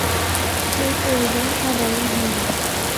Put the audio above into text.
সে প্রয়োজন সাধারণত হয় না।